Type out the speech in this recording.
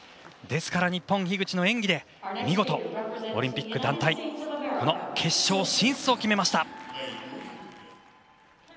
ですから日本、樋口の演技で見事オリンピック団体決勝進出を決めました。